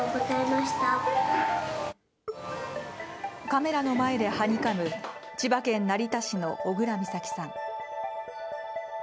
カメラの前ではにかむ千葉県成田市の小倉美咲さん。